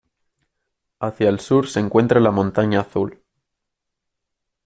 Hacia el sur, se encuentra la Montaña Azul.